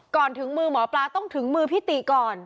ถึงมือหมอปลาต้องถึงมือพี่ติก่อน